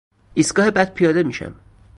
ایستگاه بعد پیاده میشم